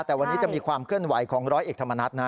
แต่วันนี้จะมีความเคลื่อนไหวของร้อยเอกธรรมนัฐนะ